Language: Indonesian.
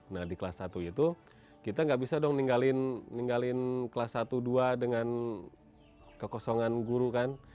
nah di kelas satu itu kita nggak bisa dong ninggalin kelas satu dua dengan kekosongan guru kan